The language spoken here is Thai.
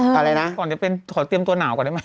อะไรนะก่อนจะเป็นขอเตรียมตัวหนาวก่อนได้ไหม